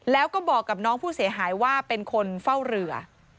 แล้วก็บอกกับน้องผู้เสียหายว่าเป็นคนเฝ้าเรือ